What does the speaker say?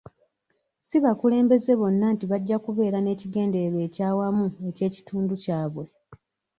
Si bakulembeze bonna nti bajja kubeera n'ekigendererwa eky'awamu eky'ekitundu kyabwe.